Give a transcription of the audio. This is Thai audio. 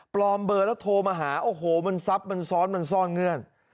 ปลอมเบอร์แล้วโทรมาหาโอ้โหมันซับมันซ้อนเงื่อน